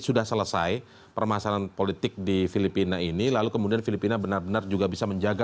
sudah selesai permasalahan politik di filipina ini lalu kemudian filipina benar benar juga bisa menjaga